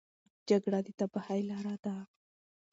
جګړه د تباهۍ لاره ده.